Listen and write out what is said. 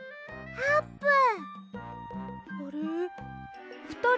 あーぷん？